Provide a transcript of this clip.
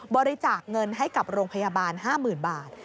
บริจาคเงินให้กับโรงพยาบาล๕๐๐๐บาท